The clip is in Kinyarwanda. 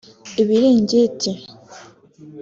ibiringiti